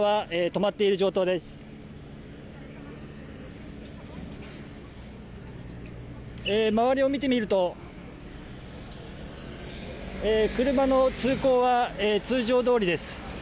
まわりを見てみると車の通行は通常どおりです。